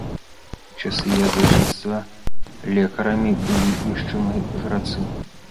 У часы язычніцтва лекарамі былі вешчуны, жрацы.